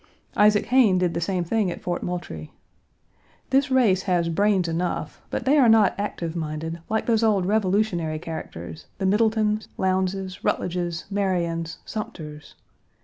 Isaac Hayne did the same thing at Fort Moultrie. This race has brains enough, but they are not active minded like those old Revolutionary characters, the Middletons, Lowndeses, Rutledges, Marions, Summers.